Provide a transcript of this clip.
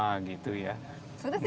sudah tidak ada lagi